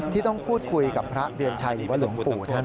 ที่ต้องพูดคุยกับพระเดือนชัยหรือว่าหลวงปู่ท่าน